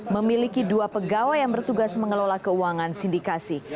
memiliki dua pegawai yang bertugas mengelola keuangan sindikasi